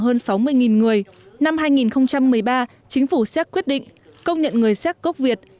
hơn sáu mươi người năm hai nghìn một mươi ba chính phủ xét quyết định công nhận người xéc gốc việt